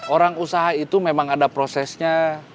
orang usaha itu memang ada prosesnya